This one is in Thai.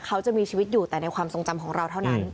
เขาจะมีชีวิตอยู่แต่ในความทรงจำของเราเท่านั้น